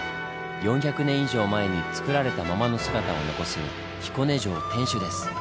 ４００年以上前につくられたままの姿を残す彦根城天守です！